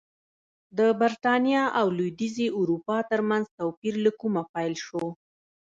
د برېټانیا او لوېدیځې اروپا ترمنځ توپیر له کومه پیل شو